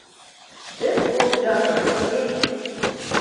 This wool jumper is itchy.